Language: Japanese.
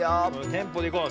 テンポでいこう。